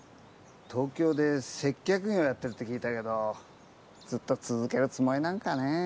東京で接客業やってるって聞いたけどずっと続けるつもりなんかねぇ。